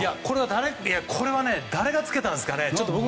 これは誰がつけたんですかね。